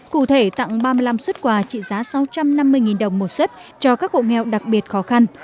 cụ thể tặng ba mươi năm xuất quà trị giá sáu trăm năm mươi đồng một xuất cho các hộ nghèo đặc biệt khó khăn